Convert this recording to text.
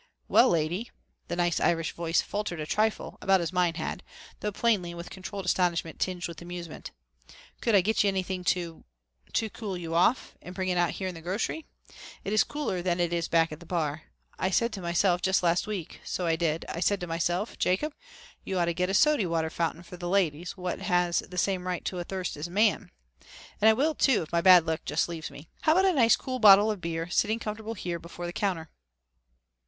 "Well, lady," the nice Irish voice faltered a trifle, about as mine had, though plainly with controlled astonishment tinged with amusement, "could I get you anything to to cool you off and bring it out here in the grocery? It is cooler than it is back at the bar. I said to myself jest last week, so I did, I said to myself, 'Jacob, you ought to get a sody water fountain for the ladies what has the same right to thirst as a man.' And I will, too, if my bad luck just leaves me. How about a nice cool bottle of beer sitting comfortable here before the counter?"